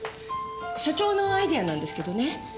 所長のアイデアなんですけどね。